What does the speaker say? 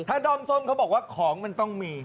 ถ้าด้อมส้มเขาบอกว่าของมันต้องมี